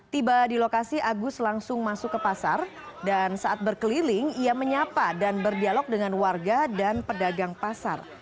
tiba di lokasi agus langsung masuk ke pasar dan saat berkeliling ia menyapa dan berdialog dengan warga dan pedagang pasar